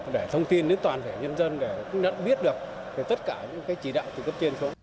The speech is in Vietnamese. để thông tin đến toàn thể dân dân để biết được tất cả những chỉ đạo từ cấp trên